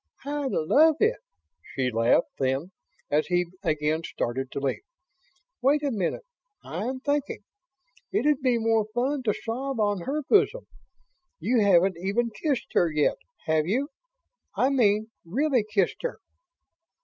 "I'd love it!" She laughed; then, as he again started to leave: "Wait a minute, I'm thinking ... it'd be more fun to sob on her bosom. You haven't even kissed her yet, have you? I mean really kissed her?"